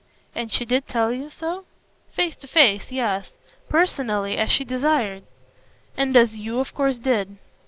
"And she did tell you so?" "Face to face, yes. Personally, as she desired." "And as YOU of course did."